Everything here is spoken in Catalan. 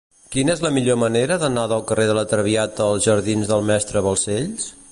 Quina és la millor manera d'anar del carrer de La Traviata als jardins del Mestre Balcells?